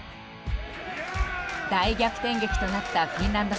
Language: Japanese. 大逆転劇となったフィンランド